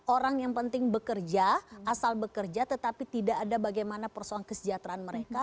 orang yang penting bekerja asal bekerja tetapi tidak ada bagaimana persoalan kesejahteraan mereka